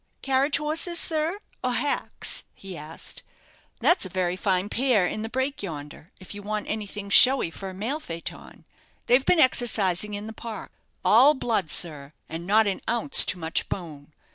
"Carriage horses, sir, or 'acks?" he asked. "That's a very fine pair in the break yonder, if you want anything showy for a mail phaeton. They've been exercising in the park. All blood, sir, and not an ounce too much bone.